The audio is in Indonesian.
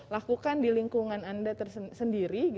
lakukan di lingkungan anda sendiri